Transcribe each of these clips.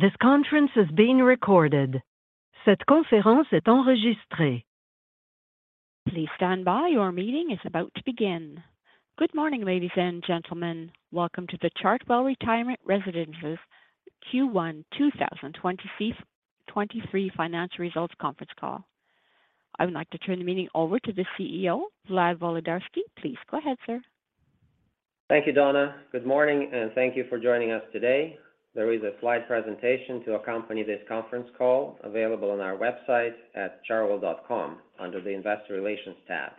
This conference is being recorded. Please stand by. Your meeting is about to begin. Good morning, ladies and gentlemen. Welcome to the Chartwell Retirement Residences Q1 2023 Financial Results Conference Call. I would like to turn the meeting over to the CEO, Vlad Volodarski. Please go ahead, sir. Thank you, Donna. Good morning, thank you for joining us today. There is a slide presentation to accompany this conference call available on our website at chartwell.com under the Investor Relations tab.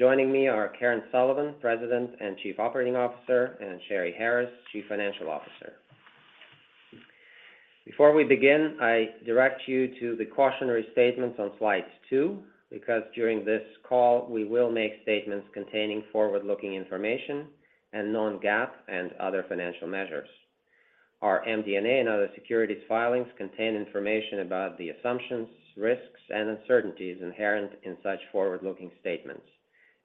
Joining me are Karen Sullivan, President and Chief Operating Officer, and Sheri Harris, Chief Financial Officer. Before we begin, I direct you to the cautionary statements on Slide 2. During this call, we will make statements containing forward-looking information and non-GAAP and other financial measures. Our MD&A and other securities filings contain information about the assumptions, risks, and uncertainties inherent in such forward-looking statements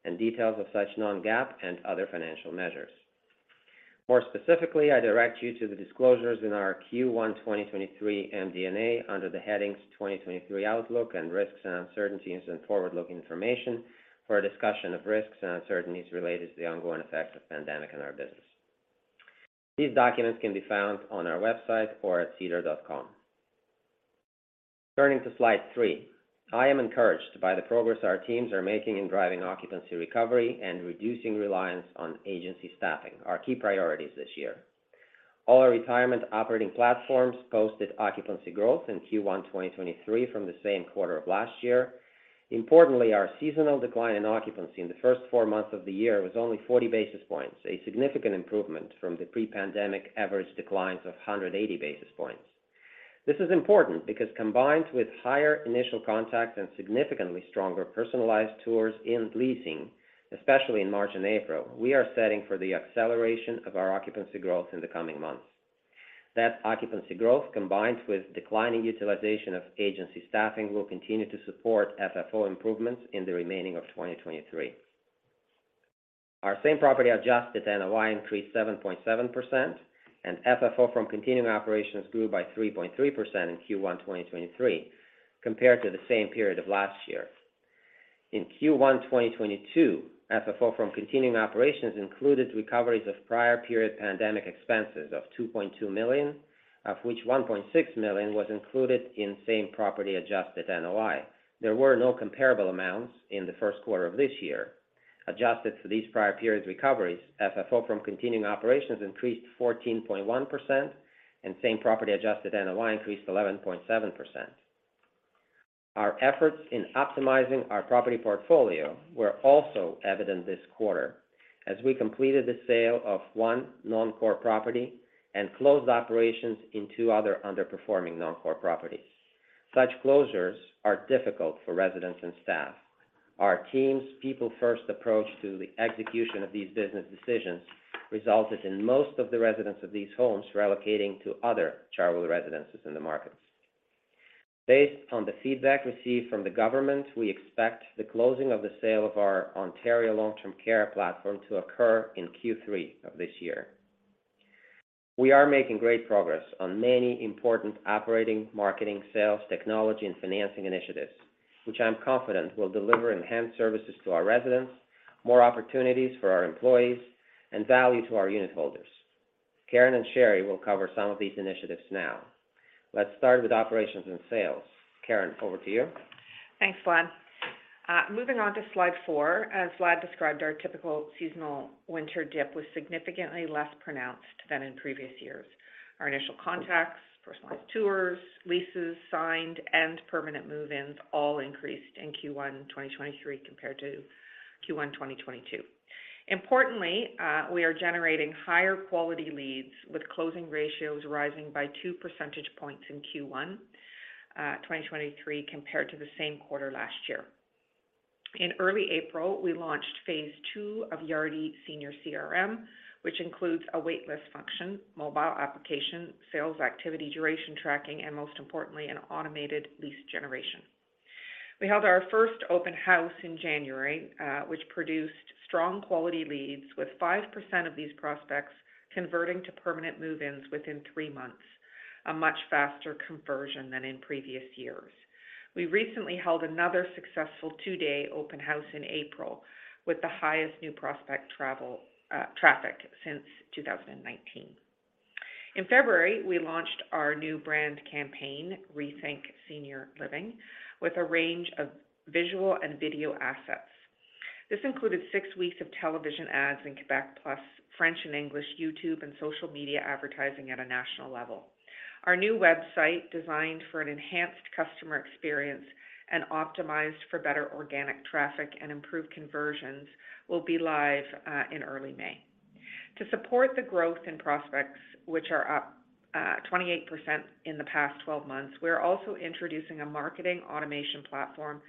and details of such non-GAAP and other financial measures. More specifically, I direct you to the disclosures in our Q1 2023 MD&A under the headings 2023 Outlook and Risks and Uncertainties and Forward-Looking Information for a discussion of risks and uncertainties related to the ongoing effects of pandemic in our business. These documents can be found on our website or at sedar.com. Turning to Slide 3. I am encouraged by the progress our teams are making in driving occupancy recovery and reducing reliance on agency staffing, our key priorities this year. All our retirement operating platforms posted occupancy growth in Q1 2023 from the same quarter of last year. Importantly, our seasonal decline in occupancy in the first four months of the year was only 40 basis points, a significant improvement from the pre-pandemic average declines of 180 basis points. This is important because combined with higher initial contacts and significantly stronger personalized tours in leasing, especially in March and April, we are setting for the acceleration of our occupancy growth in the coming months. That occupancy growth, combined with declining utilization of agency staffing, will continue to support FFO improvements in the remaining of 2023. Our same property Adjusted NOI increased 7.7%, and FFO from continuing operations grew by 3.3% in Q1 2023 compared to the same period of last year. In Q1 2022, FFO from continuing operations included recoveries of prior period pandemic expenses of 2.2 million, of which 1.6 million was included in same property Adjusted NOI. There were no comparable amounts in the first quarter of this year. Adjusted for these prior period recoveries, FFO from continuing operations increased 14.1%, and same property Adjusted NOI increased 11.7%. Our efforts in optimizing our property portfolio were also evident this quarter as we completed the sale of one non-core property and closed operations in two other underperforming non-core properties. Such closures are difficult for residents and staff. Our team's people first approach to the execution of these business decisions resulted in most of the residents of these homes relocating to other Chartwell residences in the markets. Based on the feedback received from the government, we expect the closing of the sale of our Ontario long-term care platform to occur in Q3 of this year. We are making great progress on many important operating, marketing, sales, technology, and financing initiatives, which I'm confident will deliver enhanced services to our residents, more opportunities for our employees, and value to our unit holders. Karen and Sherry will cover some of these initiatives now. Let's start with operations and sales. Karen, over to you. Thanks, Vlad. Moving on to Slide 4. As Vlad described, our typical seasonal winter dip was significantly less pronounced than in previous years. Our initial contacts, personalized tours, leases signed, and permanent move-ins all increased in Q1 2023 compared to Q1 2022. Importantly, we are generating higher quality leads with closing ratios rising by 2 percentage points in Q1 2023 compared to the same quarter last year. In early April, we launched phase II of RentCafe Senior CRM, which includes a wait list function, mobile application, sales activity, duration tracking, and most importantly, an automated lease generation. We held our first open house in January, which produced strong quality leads with 5% of these prospects converting to permanent move-ins within three months, a much faster conversion than in previous years. We recently held another successful two-day open house in April with the highest new prospect travel traffic since 2019. In February, we launched our new brand campaign, Rethink Senior Living, with a range of visual and video assets. This included six weeks of television ads in Quebec, plus French and English YouTube and social media advertising at a national level. Our new website, designed for an enhanced customer experience and optimized for better organic traffic and improved conversions, will be live in early May. To support the growth in prospects, which are up 28% in the past 12 months, we are also introducing a marketing automation platform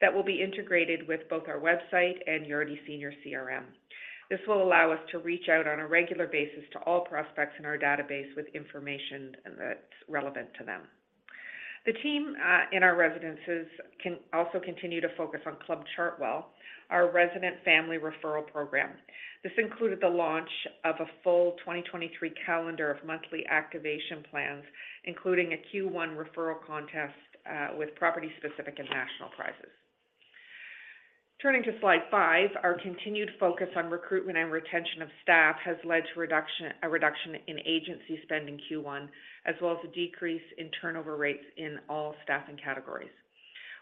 that will be integrated with both our website and RentCafe Senior CRM. This will allow us to reach out on a regular basis to all prospects in our database with information that's relevant to them. The team in our residences can also continue to focus on Club Chartwell, our resident family referral program. This included the launch of a full 2023 calendar of monthly activation plans, including a Q1 referral contest with property specific and national prizes. Turning to Slide 5, our continued focus on recruitment and retention of staff has led to a reduction in agency spend in Q1, as well as a decrease in turnover rates in all staffing categories.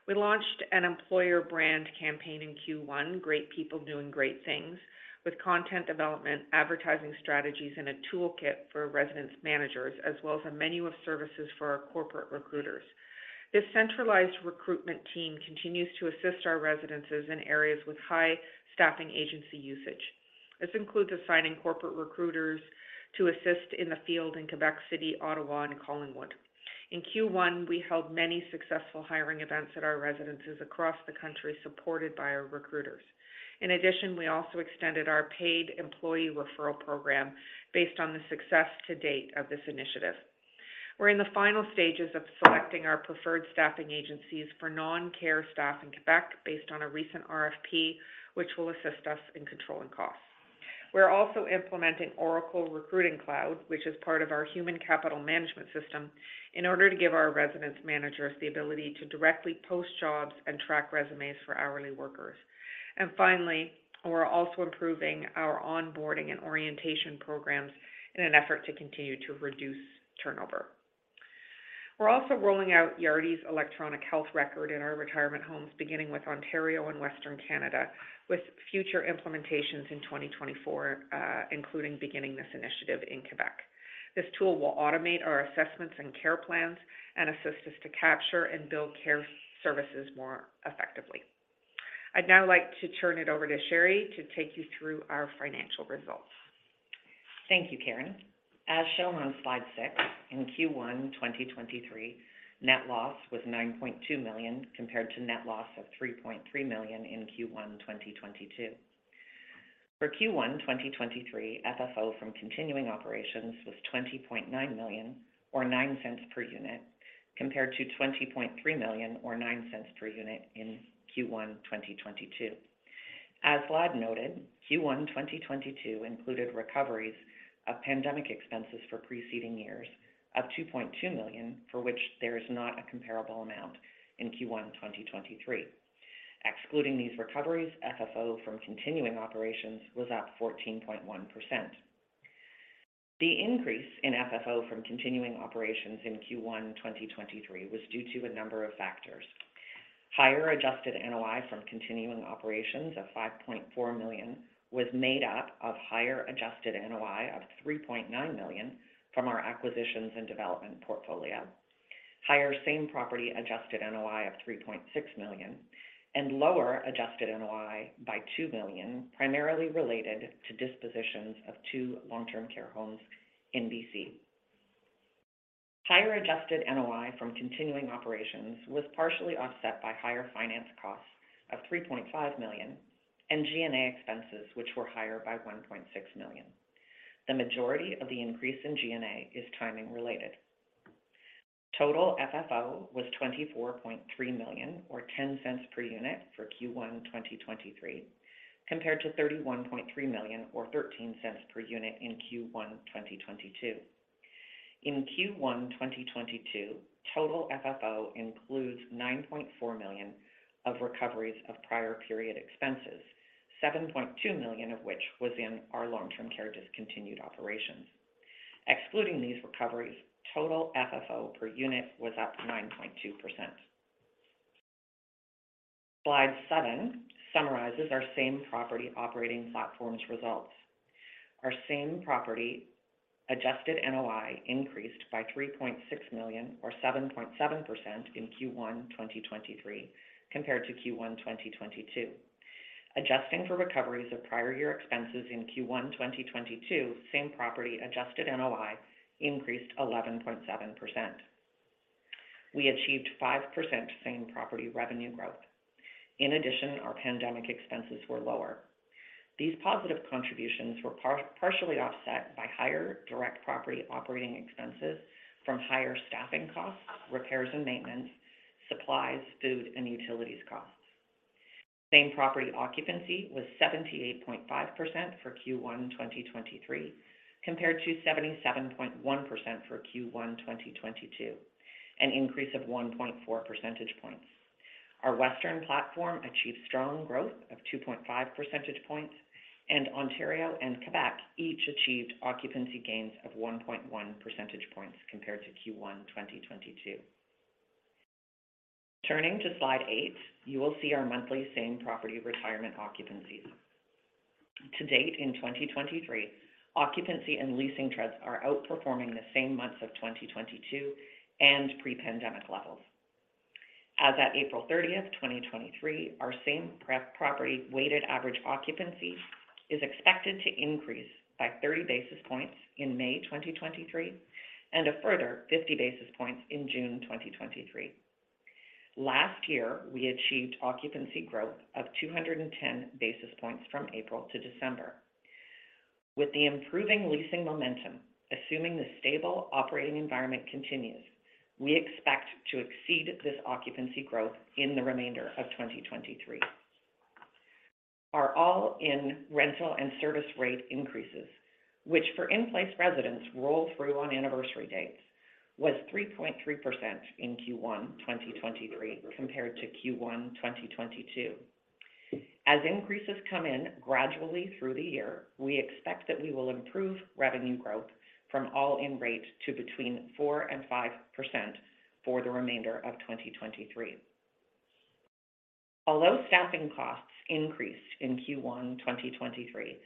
We launched an employer brand campaign in Q1, Great People Doing Great Things, with content development, advertising strategies, and a toolkit for residence managers, as well as a menu of services for our corporate recruiters. This centralized recruitment team continues to assist our residences in areas with high staffing agency usage. This includes assigning corporate recruiters to assist in the field in Quebec City, Ottawa, and Collingwood. In Q1, we held many successful hiring events at our residences across the country, supported by our recruiters. We also extended our paid employee referral program based on the success to date of this initiative. We're in the final stages of selecting our preferred staffing agencies for non-care staff in Quebec based on a recent RFP, which will assist us in controlling costs. We're also implementing Oracle Recruiting Cloud, which is part of our human capital management system, in order to give our residence managers the ability to directly post jobs and track resumes for hourly workers. Finally, we're also improving our onboarding and orientation programs in an effort to continue to reduce turnover. We're also rolling out Yardi's electronic health record in our retirement homes, beginning with Ontario and Western Canada, with future implementations in 2024, including beginning this initiative in Quebec. This tool will automate our assessments and care plans and assist us to capture and build care services more effectively. I'd now like to turn it over to Sheri to take you through our financial results. Thank you, Karen. As shown on Slide 6, in Q1, 2023, net loss was CAD 9.2 million compared to net loss of CAD 3.3 million in Q1, 2022. For Q1, 2023, FFO from continuing operations was 20.9 million or 0.09 per unit, compared to 20.3 million or 0.09 per unit in Q1, 2022. As Vlad noted, Q1, 2022 included recoveries of pandemic expenses for preceding years of 2.2 million, for which there is not a comparable amount in Q1, 2023. Excluding these recoveries, FFO from continuing operations was up 14.1%. The increase in FFO from continuing operations in Q1, 2023 was due to a number of factors. Higher Adjusted NOI from continuing operations of 5.4 million was made up of higher Adjusted NOI of 3.9 million from our acquisitions and development portfolio. Higher same property Adjusted NOI of 3.6 million and lower Adjusted NOI by 2 million, primarily related to dispositions of 2 long-term care homes in BC. Higher Adjusted NOI from continuing operations was partially offset by higher finance costs of 3.5 million and G&A expenses, which were higher by 1.6 million. The majority of the increase in G&A is timing related. Total FFO was 24.3 million or 0.10 per unit for Q1 2023, compared to 31.3 million or 0.13 per unit in Q1 2022. In Q1 2022, total FFO includes 9.4 million of recoveries of prior period expenses, 7.2 million of which was in our long-term care discontinued operations. Excluding these recoveries, total FFO per unit was up 9.2%. Slide 7 summarizes our same property operating platforms results. Our same property Adjusted NOI increased by 3.6 million or 7.7% in Q1 2023 compared to Q1 2022. Adjusting for recoveries of prior year expenses in Q1 2022, same property Adjusted NOI increased 11.7%. We achieved 5% same property revenue growth. Our pandemic expenses were lower. These positive contributions were partially offset by higher direct property operating expenses from higher staffing costs, repairs and maintenance, supplies, food, and utilities costs. Same property occupancy was 78.5% for Q1 2023, compared to 77.1% for Q1 2022, an increase of 1.4 percentage points. Our Western platform achieved strong growth of 2.5 percentage points. Ontario and Quebec each achieved occupancy gains of 1.1 percentage points compared to Q1 2022. Turning to Slide 8, you will see our monthly same property retirement occupancies. To date in 2023, occupancy and leasing trends are outperforming the same months of 2022 and pre-pandemic levels. As at April 30, 2023, our same property weighted average occupancy is expected to increase by 30 basis points in May 2023 and a further 50 basis points in June 2023. Last year, we achieved occupancy growth of 210 basis points from April to December. With the improving leasing momentum, assuming the stable operating environment continues, we expect to exceed this occupancy growth in the remainder of 2023. Our all-in rental and service rate increases, which for in-place residents roll through on anniversary dates, was 3.3% in Q1 2023 compared to Q1 2022. As increases come in gradually through the year, we expect that we will improve revenue growth from all-in rate to between 4%-5% for the remainder of 2023. Although staffing costs increased in Q1 2023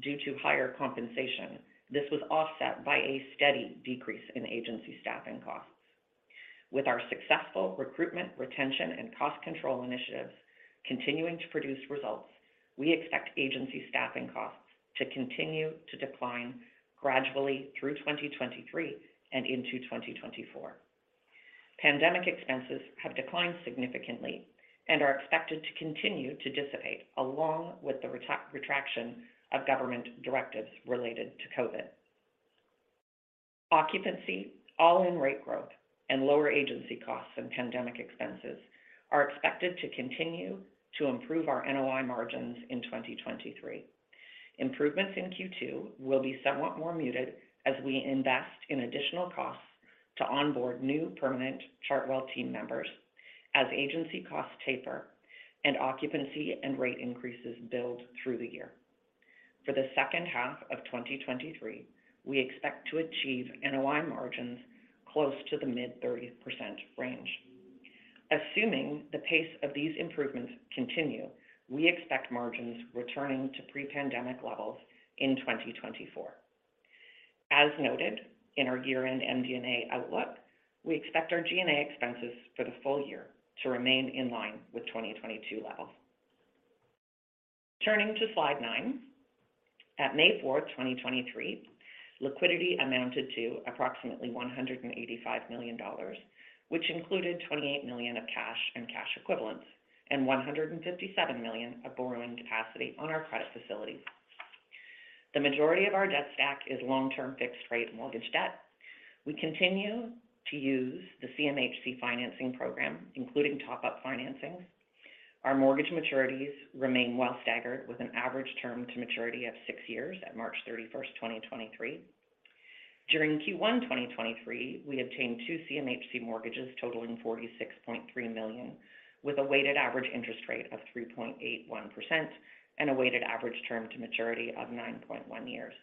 due to higher compensation, this was offset by a steady decrease in agency staffing costs. With our successful recruitment, retention, and cost control initiatives continuing to produce results, we expect agency staffing costs to continue to decline gradually through 2023 and into 2024. Pandemic expenses have declined significantly and are expected to continue to dissipate along with the retraction of government directives related to COVID. Occupancy, all-in rate growth, and lower agency costs and pandemic expenses are expected to continue to improve our NOI margins in 2023. Improvements in Q2 will be somewhat more muted as we invest in additional costs to onboard new permanent Chartwell team members as agency costs taper and occupancy and rate increases build through the year. For the second half of 2023, we expect to achieve NOI margins close to the mid-30% range. Assuming the pace of these improvements continue, we expect margins returning to pre-pandemic levels in 2024. As noted in our year-end MD&A outlook, we expect our G&A expenses for the full year to remain in line with 2022 levels. Turning to Slide 9. At May 4, 2023, liquidity amounted to approximately $185 million, which included $28 million of cash and cash equivalents, and $157 million of borrowing capacity on our credit facilities. The majority of our debt stack is long-term fixed rate mortgage debt. We continue to use the CMHC financing program, including top-up financings. Our mortgage maturities remain well staggered, with an average term to maturity of six years at March 31, 2023. During Q1 2023, we obtained two CMHC mortgages totaling $46.3 million, with a weighted average interest rate of 3.81% and a weighted average term to maturity of 9.1 years.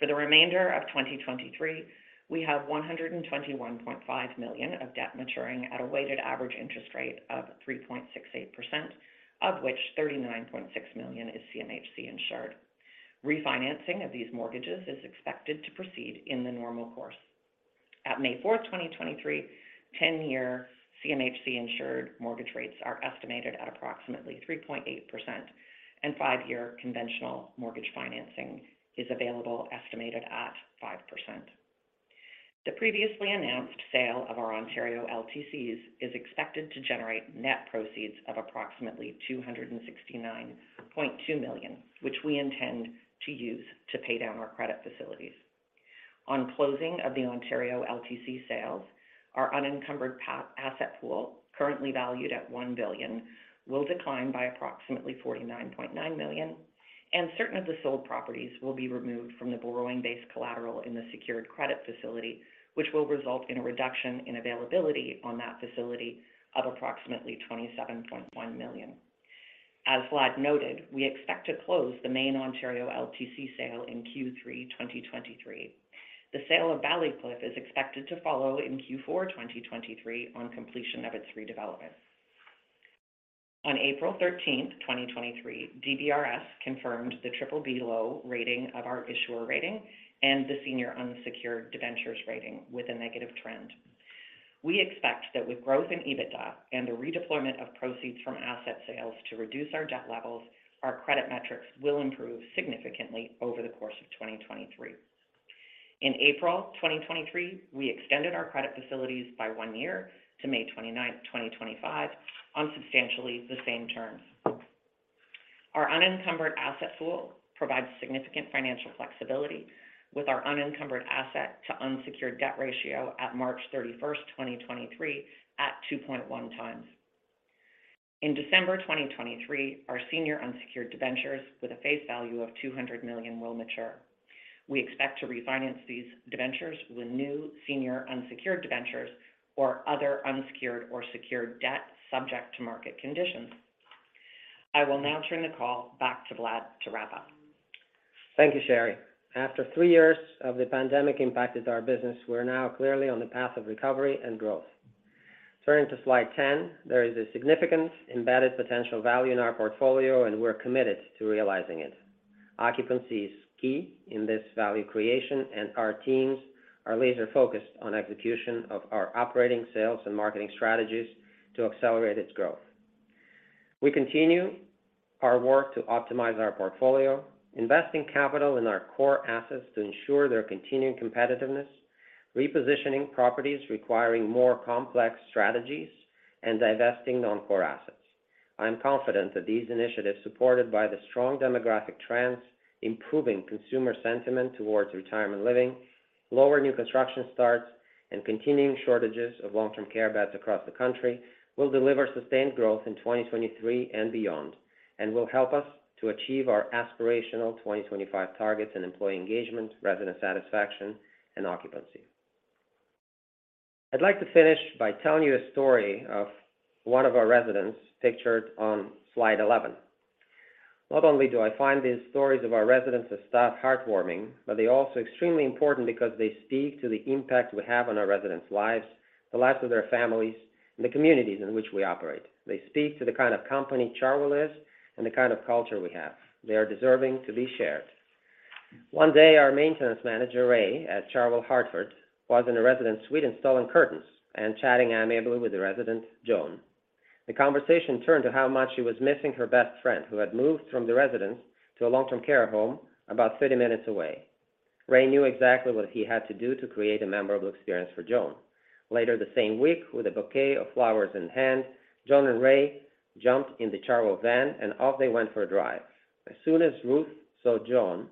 For the remainder of 2023, we have 121.5 million of debt maturing at a weighted average interest rate of 3.68%, of which 39.6 million is CMHC insured. Refinancing of these mortgages is expected to proceed in the normal course. At May 4, 2023, ten-year CMHC-insured mortgage rates are estimated at approximately 3.8%, and five-year conventional mortgage financing is available estimated at 5%. The previously announced sale of our Ontario LTCs is expected to generate net proceeds of approximately 269.2 million, which we intend to use to pay down our credit facilities. On closing of the Ontario LTC sales, our unencumbered asset pool, currently valued at 1 billion, will decline by approximately 49.9 million. Certain of the sold properties will be removed from the borrowing base collateral in the secured credit facility, which will result in a reduction in availability on that facility of approximately 27.1 million. As Vlad noted, we expect to close the main Ontario LTC sale in Q3 2023. The sale of Ballycliffe is expected to follow in Q4 2023 on completion of its redevelopment. On April 13, 2023, DBRS confirmed the BBB (low) rating of our issuer rating and the senior unsecured debentures rating with a negative trend. We expect that with growth in EBITDA and the redeployment of proceeds from asset sales to reduce our debt levels, our credit metrics will improve significantly over the course of 2023. In April 2023, we extended our credit facilities by one year to May 29th, 2025, on substantially the same terms. Our unencumbered asset pool provides significant financial flexibility with our unencumbered asset to unsecured debt ratio at March 31st, 2023, at 2.1x. In December 2023, our senior unsecured debentures with a face value of 200 million will mature. We expect to refinance these debentures with new senior unsecured debentures or other unsecured or secured debt subject to market conditions. I will now turn the call back to Vlad to wrap up. Thank you, Sheri. After three years of the pandemic impacted our business, we are now clearly on the path of recovery and growth. Turning to Slide 10, there is a significant embedded potential value in our portfolio, and we're committed to realizing it. Occupancy is key in this value creation, and our teams are laser-focused on execution of our operating sales and marketing strategies to accelerate its growth. We continue our work to optimize our portfolio, investing capital in our core assets to ensure their continuing competitiveness, repositioning properties requiring more complex strategies, and divesting non-core assets. I'm confident that these initiatives, supported by the strong demographic trends, improving consumer sentiment towards retirement living, lower new construction starts, and continuing shortages of long-term care beds across the country, will deliver sustained growth in 2023 and beyond and will help us to achieve our aspirational 2025 targets in employee engagement, resident satisfaction, and occupancy. I'd like to finish by telling you a story of one of our residents pictured on Slide 11. Not only do I find these stories of our residents and staff heartwarming, but they're also extremely important because they speak to the impact we have on our residents' lives, the lives of their families, and the communities in which we operate. They speak to the kind of company Chartwell is and the kind of culture we have. They are deserving to be shared. One day, our maintenance manager, Ray, at Chartwell Hartford, was in a resident's suite installing curtains and chatting amiably with the resident, Joan. The conversation turned to how much she was missing her best friend, who had moved from the residence to a long-term care home about 30-minutes away. Ray knew exactly what he had to do to create a memorable experience for Joan. Later the same week, with a bouquet of flowers in hand, Joan and Ray jumped in the Chartwell van and off they went for a drive. As soon as Ruth saw Joan,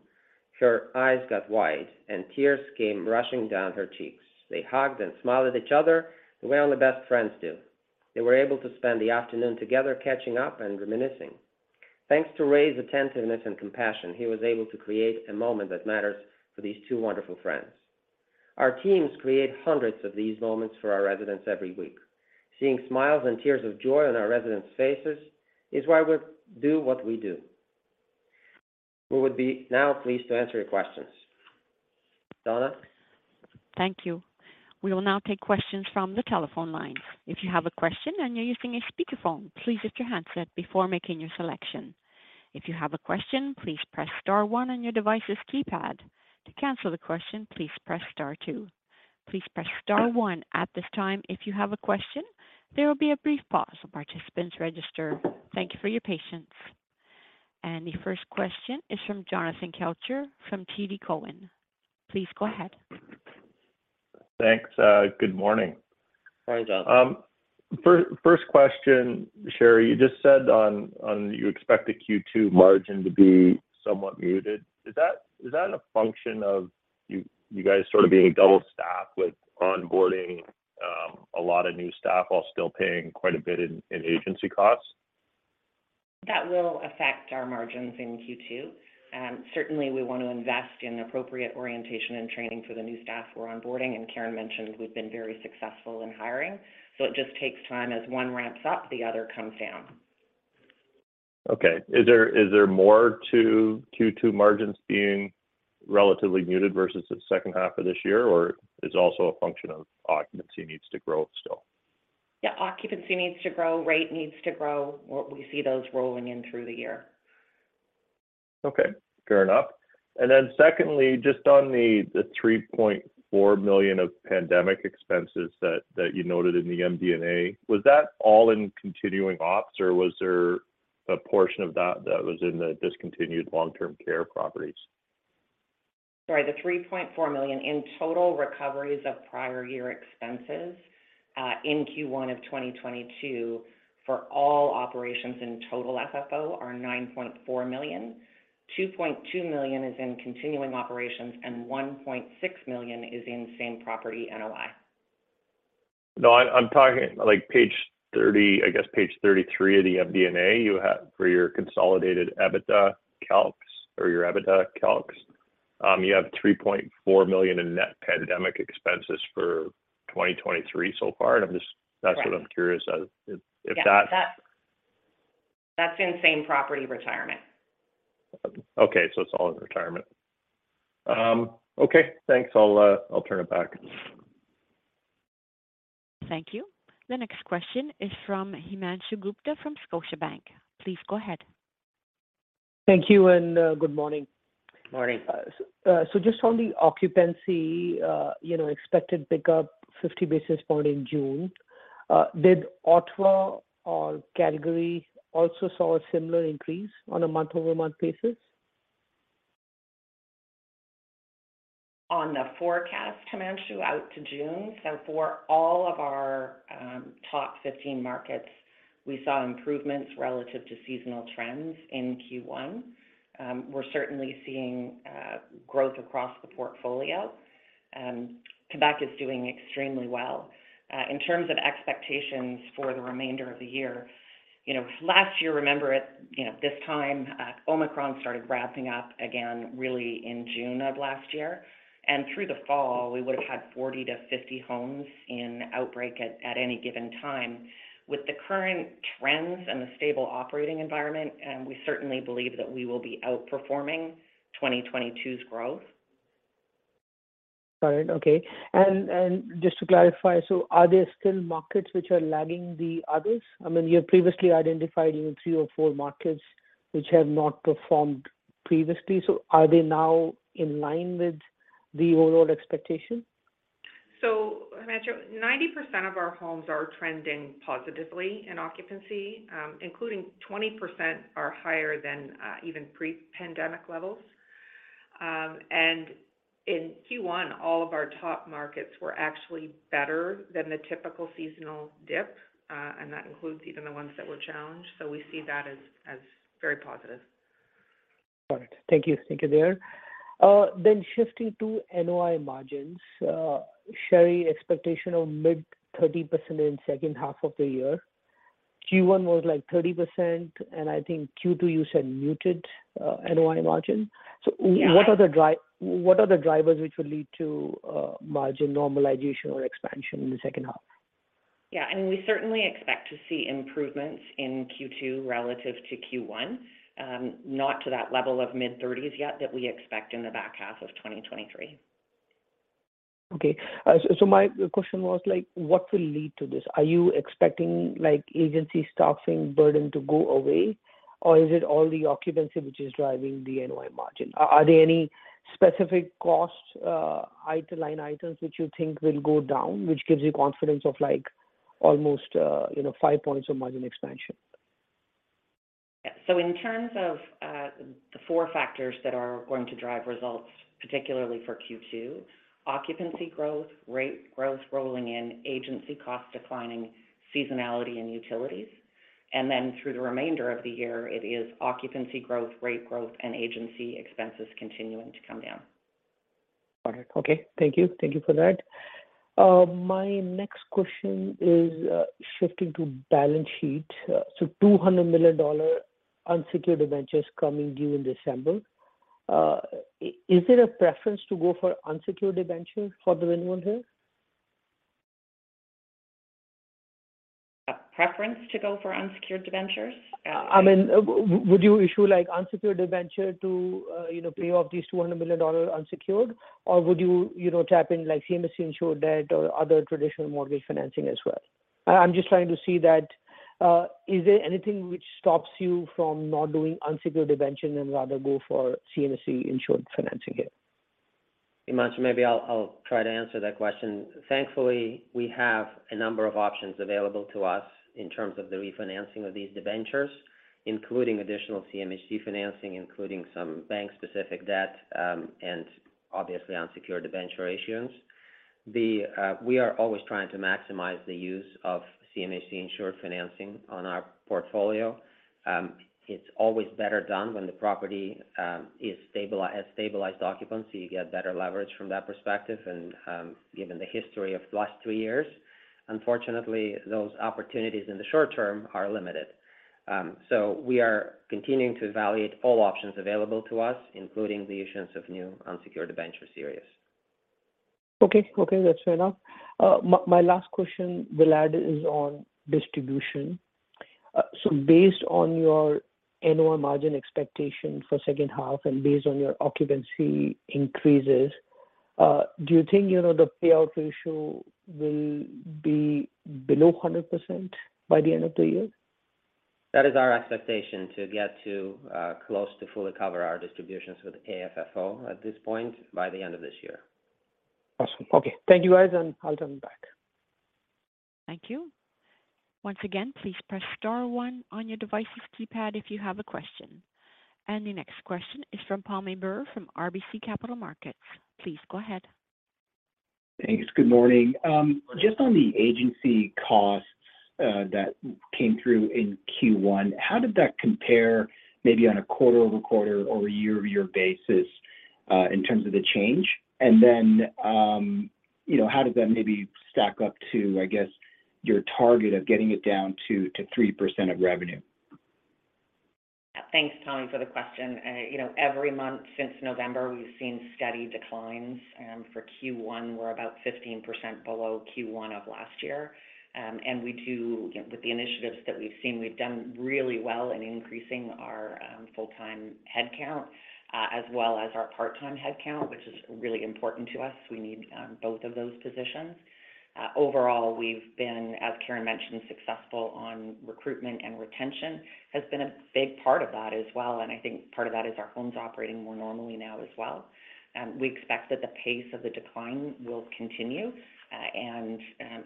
her eyes got wide, and tears came rushing down her cheeks. They hugged and smiled at each other the way only best friends do. They were able to spend the afternoon together catching up and reminiscing. Thanks to Ray's attentiveness and compassion, he was able to create a moment that matters for these two wonderful friends. Our teams create hundreds of these moments for our residents every week. Seeing smiles and tears of joy on our residents' faces is why we do what we do. We would be now pleased to answer your questions. Donna? Thank you. We will now take questions from the telephone lines. If you have a question and you're using a speakerphone, please mute your handset before making your selection. If you have a question, please press star one on your device's keypad. To cancel the question, please press star two. Please press star one at this time if you have a question. There will be a brief pause while participants register. Thank you for your patience. The first question is from Jonathan Kelcher from TD Cowen. Please go ahead. Thanks. Good morning. Morning, Jon. First question, Sheri. You just said you expect the Q2 margin to be somewhat muted. Is that a function of you guys sort of being double-staffed with onboarding a lot of new staff while still paying quite a bit agency costs? That will affect our margins in Q2. Certainly we want to invest in appropriate orientation and training for the new staff we're onboarding, and Karen mentioned we've been very successful in hiring. It just takes time. As one ramps up, the other comes down. Okay. Is there more to Q2 margins being relatively muted versus the second half of this year, or is it also a function of occupancy needs to grow still? Yeah, occupancy needs to grow, rate needs to grow. We see those rolling in through the year. Okay, fair enough. Secondly, just on the 3.4 million of pandemic expenses that you noted in the MD&A, was that all in continuing ops, or was there a portion of that that was in the discontinued long-term care properties? Sorry, the $3.4 million in total recoveries of prior year expenses in Q1 of 2022 for all operations in total FFO are $9.4 million. $2.2 million is in continuing operations, and $1.6 million is in same-property NOI. No, I'm talking like Page 30, I guess Page 33 of the MD&A, you have for your consolidated EBITDA calcs or your EBITDA calcs. You have 3.4 million in net pandemic expenses for 2023 so far. I'm just. Right. That's what I'm curious of. If that. Yeah, that's in same-property retirement. Okay. It's all in retirement. Okay. Thanks. I'll turn it back. Thank you. The next question is from Himanshu Gupta from Scotiabank. Please go ahead. Thank you, and, good morning. Morning. Just on the occupancy, you know, expected pickup 50 basis points in June, did Ottawa or Calgary also saw a similar increase on a month-over-month basis? On the forecast, Himanshu, out to June, for all of our top 15 markets, we saw improvements relative to seasonal trends in Q1. We're certainly seeing growth across the portfolio. Quebec is doing extremely well. In terms of expectations for the remainder of the year, you know, last year, remember it, you know, this time, Omicron started ramping up again really in June of last year. Through the fall, we would have had 40 to 50 homes in outbreak at any given time. With the current trends and the stable operating environment, we certainly believe that we will be outperforming 2022's growth. Got it. Okay. Just to clarify, are there still markets which are lagging the others? I mean, you have previously identified even three or four markets which have not performed previously. Are they now in line with the overall expectation? Himanshu, 90% of our homes are trending positively in occupancy, including 20% are higher than even pre-pandemic levels. In Q1, all of our top markets were actually better than the typical seasonal dip, and that includes even the ones that were challenged. We see that as very positive. Got it. Thank you. Thank you there. Shifting to NOI margins. Sheri, expectation of mid-30% in second half of the year. Q1 was, like, 30%, and I think Q2 you said muted, NOI margin. Yeah. What are the drivers which will lead to margin normalization or expansion in the second half? Yeah. I mean, we certainly expect to see improvements in Q2 relative to Q1, not to that level of mid-30s yet that we expect in the back half of 2023. My question was, like, what will lead to this? Are you expecting, like, agency staffing burden to go away, or is it all the occupancy which is driving the NOI margin? Are there any specific cost line items which you think will go down, which gives you confidence of, like, almost, you know, five points of margin expansion? In terms of, the four factors that are going to drive results, particularly for Q2, occupancy growth, rate growth rolling in, agency costs declining, seasonality and utilities. Through the remainder of the year, it is occupancy growth, rate growth, and agency expenses continuing to come down. Got it. Okay. Thank you. Thank you for that. My next question is, shifting to balance sheet. 200 million dollar unsecured debentures coming due in December. Is there a preference to go for unsecured debentures for the renewal here? A preference to go for unsecured debentures? I mean, would you issue, like, unsecured debenture to, you know, pay off these 200 million dollar unsecured, or would you know, tap in, like, CMHC-insured debt or other traditional mortgage financing as well? I'm just trying to see that, is there anything which stops you from not doing unsecured debenture and rather go for CMHC-insured financing here? Himanshu, maybe I'll try to answer that question. Thankfully, we have a number of options available to us in terms of the refinancing of these debentures, including additional CMHC financing, including some bank-specific debt, and obviously unsecured debenture issuance. We are always trying to maximize the use of CMHC-insured financing on our portfolio. It's always better done when the property has stabilized occupancy. You get better leverage from that perspective. Given the history of the last two years, unfortunately, those opportunities in the short term are limited. We are continuing to evaluate all options available to us, including the issuance of new unsecured debenture series. Okay. Okay, that's fair enough. My last question, Vlad, is on distribution. Based on your NOI margin expectation for second half and based on your occupancy increases, do you think, you know, the payout ratio will be below 100% by the end of the year? That is our expectation, to get to close to fully cover our distributions with AFFO at this point by the end of this year. Awesome. Okay. Thank you, guys, and I'll turn back. Thank you. Once again, please press star one on your device's keypad if you have a question. The next question is from Pammi Bir from RBC Capital Markets. Please go ahead. Thanks. Good morning. Good morning. Just on the agency costs, that came through in Q1, how did that compare maybe on a quarter-over-quarter or a year-over-year basis, in terms of the change? You know, how does that maybe stack up to, I guess, your target of getting it down to 3% of revenue? Thanks, Pammi Bir, for the question. You know, every month since November, we've seen steady declines. For Q1, we're about 15% below Q1 of last year. With the initiatives that we've seen, we've done really well in increasing our full-time headcount, as well as our part-time headcount, which is really important to us. We need both of those positions. Overall, we've been, as Karen Sullivan mentioned, successful on recruitment and retention. Has been a big part of that as well, and I think part of that is our homes operating more normally now as well. We expect that the pace of the decline will continue,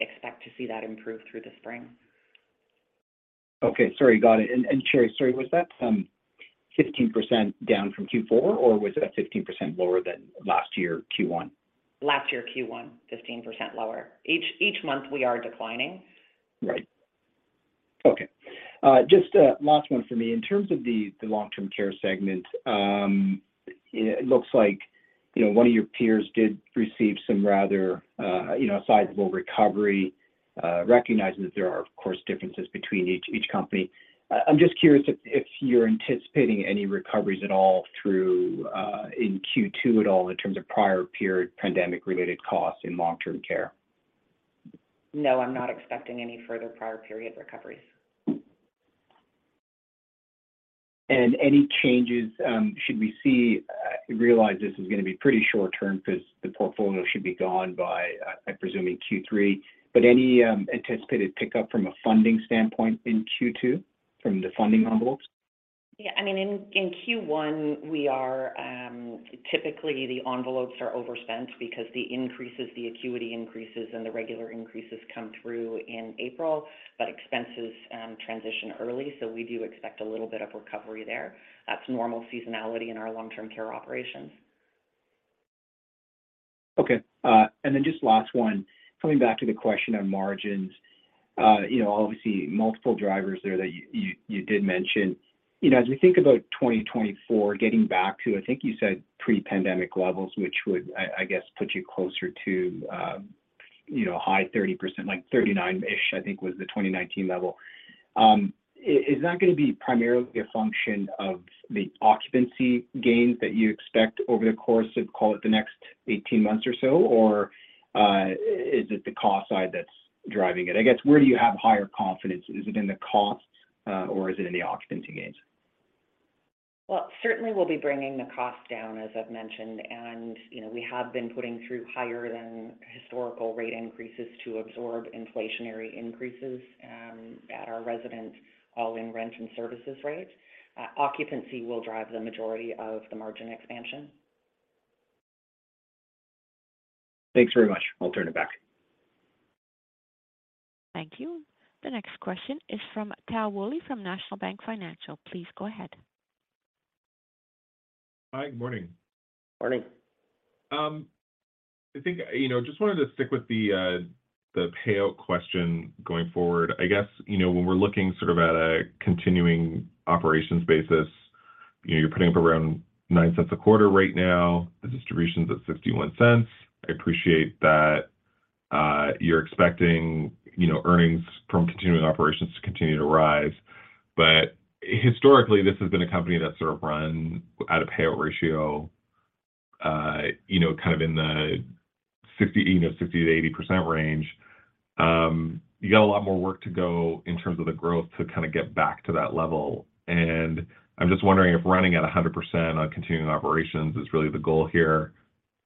expect to see that improve through the spring. Okay. Sorry, got it. Sheri, sorry, was that some 15% down from Q4, or was that 15% lower than last year Q1? Last year Q1, 15% lower. Each month we are declining. Right. Okay. Just a last one for me. In terms of the long-term care segment, it looks like, you know, one of your peers did receive some rather, you know, sizable recovery. Recognizing that there are, of course, differences between each company. I'm just curious if you're anticipating any recoveries at all in Q2 in terms of prior period pandemic-related costs in long-term care. No, I'm not expecting any further prior period recoveries. Any changes, I realize this is gonna be pretty short term because the portfolio should be gone by, I presume, in Q3. any, anticipated pickup from a funding standpoint in Q2 from the funding envelopes? In Q1, we are typically the envelopes are overspent because the increases, the acuity increases and the regular increases come through in April, but expenses transition early. We do expect a little bit of recovery there. That's normal seasonality in our long-term care operations. Just last one. Coming back to the question on margins, you know, obviously multiple drivers there that you did mention. You know, as we think about 2024 getting back to, I think you said pre-pandemic levels, which would, I guess, put you closer to, you know, high 30%, like 39-ish, I think was the 2019 level. Is that gonna be primarily a function of the occupancy gains that you expect over the course of, call it, the next 18 months or so, or is it the cost side that's driving it? I guess, where do you have higher confidence? Is it in the cost, or is it in the occupancy gains? Well, certainly we'll be bringing the cost down, as I've mentioned. You know, we have been putting through higher than historical rate increases to absorb inflationary increases, at our residence all-in rent and services rate. Occupancy will drive the majority of the margin expansion. Thanks very much. I'll turn it back. Thank you. The next question is from Tal Woolley from National Bank Financial. Please go ahead. Hi. Good morning. Morning. I think, just wanted to stick with the payout question going forward. I guess, when we're looking sort of at a continuing operations basis, you're putting up around 0.09 a quarter right now. The distribution's at 0.61. I appreciate that, you're expecting earnings from continuing operations to continue to rise. Historically, this has been a company that sort of run at a payout ratio, kind of in the 60%-80% range. You got a lot more work to go in terms of the growth to kinda get back to that level. I'm just wondering if running at 100% on continuing operations is really the goal here.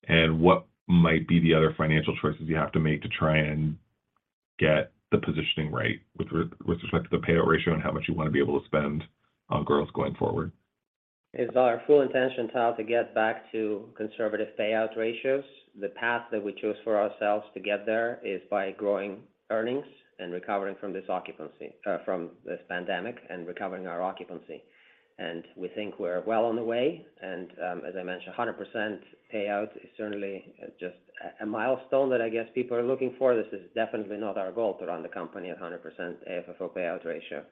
What might be the other financial choices you have to make to try and get the positioning right with respect to the payout ratio and how much you wanna be able to spend on growth going forward. It's our full intention, Tal, to get back to conservative payout ratios. The path that we chose for ourselves to get there is by growing earnings and recovering from this occupancy, from this pandemic and recovering our occupancy. We think we're well on the way. As I mentioned, 100% payout is certainly just a milestone that I guess people are looking for. This is definitely not our goal to run the company at 100% AFFO payout ratio.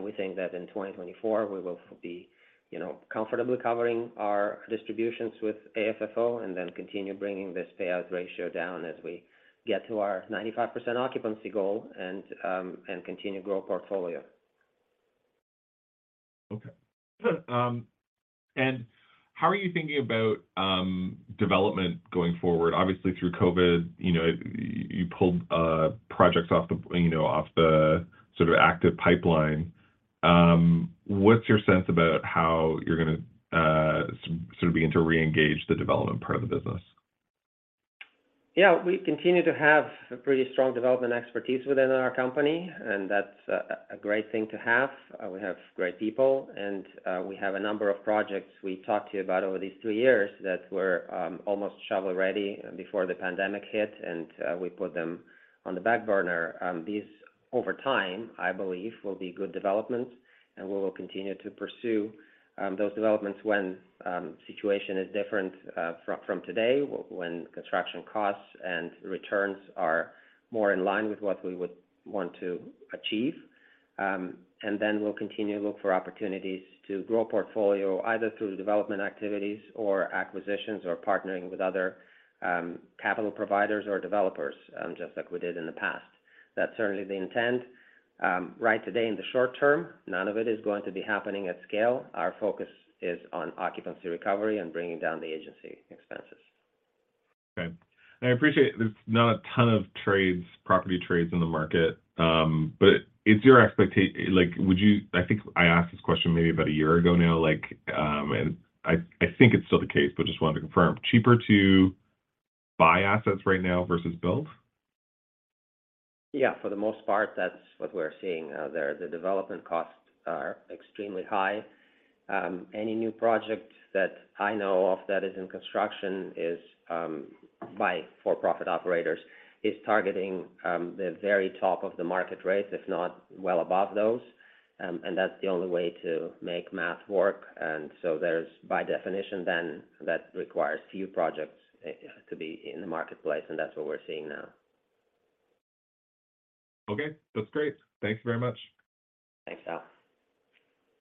We think that in 2024, we will be, you know, comfortably covering our distributions with AFFO, then continue bringing this payout ratio down as we get to our 95% occupancy goal and continue to grow portfolio. Okay. How are you thinking about development going forward? Obviously, through COVID, you know, you pulled projects off the, you know, off the sort of active pipeline. What's your sense about how you're gonna sort of begin to reengage the development part of the business? Yeah. We continue to have a pretty strong development expertise within our company, and that's a great thing to have. We have great people, and we have a number of projects we talked to you about over these two years that were almost shovel-ready before the pandemic hit, and we put them on the back burner. These, over time, I believe, will be good developments, and we will continue to pursue those developments when situation is different from today, when construction costs and returns are more in line with what we would want to achieve. Then we'll continue to look for opportunities to grow portfolio, either through the development activities or acquisitions or partnering with other capital providers or developers, just like we did in the past. That's certainly the intent. Right today in the short term, none of it is going to be happening at scale. Our focus is on occupancy recovery and bringing down the agency expenses. Okay. I appreciate there's not a ton of trades, property trades in the market. Is your Like, I think I asked this question maybe about 1 year ago now, like, and I think it's still the case, but just wanted to confirm. Cheaper to buy assets right now versus build? Yeah. For the most part, that's what we're seeing out there. The development costs are extremely high. Any new project that I know of that is in construction is by for-profit operators, is targeting the very top of the market rates, if not well above those, and that's the only way to make math work. There's, by definition then, that requires few projects to be in the marketplace, and that's what we're seeing now. Okay. That's great. Thank you very much. Thanks, Tal.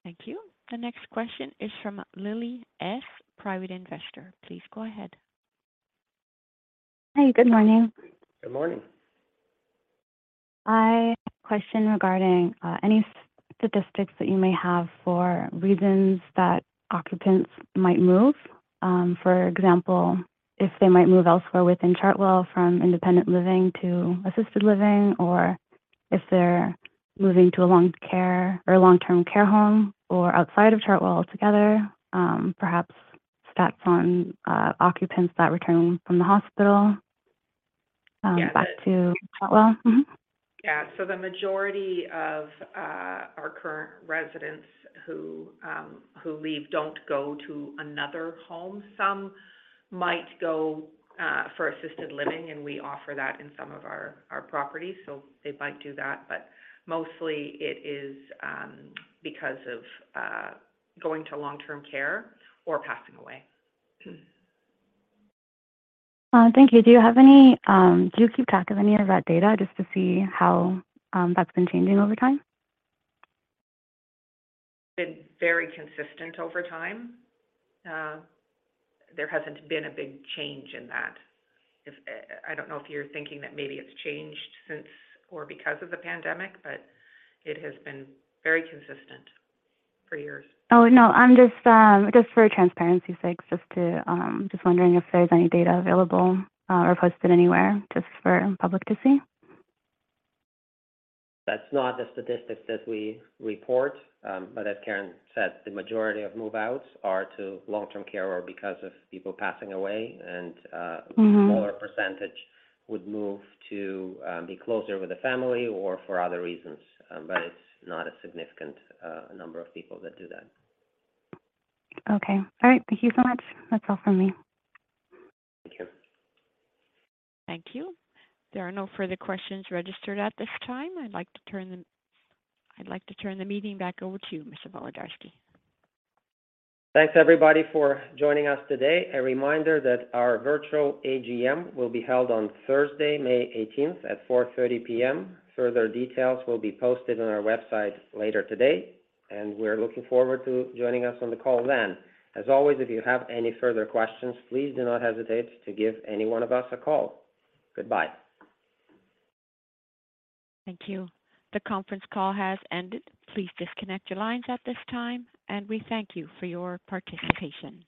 Thank you. The next question is from [Lily S.], Private Investor. Please go ahead. Hey, good morning. Good morning. I question regarding any statistics that you may have for reasons that occupants might move. For example, if they might move elsewhere within Chartwell from independent living to assisted living, or if they're moving to a long-term care home or outside of Chartwell altogether, perhaps stats on occupants that return from the hospital? Yeah. Back to Chartwell. Yeah. The majority of our current residents who leave don't go to another home. Some might go for assisted living, and we offer that in some of our properties, so they might do that. Mostly it is because of going to long-term care or passing away. Thank you. Do you have any, do you keep track of any of that data just to see how that's been changing over time? Been very consistent over time. There hasn't been a big change in that. I don't know if you're thinking that maybe it's changed since or because of the pandemic, but it has been very consistent for years. Oh, no. I'm just for transparency sakes, just wondering if there's any data available or posted anywhere just for public to see. That's not the statistics that we report. As Karen said, the majority of move-outs are to long-term care or because of people passing away a smaller percentage would move to, be closer with the family or for other reasons. It's not a significant number of people that do that. Okay. All right. Thank you so much. That's all from me. Thank you. Thank you. There are no further questions registered at this time. I'd like to turn the meeting back over to you, Mr. Volodarsky. Thanks everybody for joining us today. A reminder that our virtual AGM will be held on Thursday, May 18th at 4:30 P.M. Further details will be posted on our website later today, and we're looking forward to joining us on the call then. As always, if you have any further questions, please do not hesitate to give any one of us a call. Goodbye. Thank you. The conference call has ended. Please disconnect your lines at this time, and we thank you for your participation.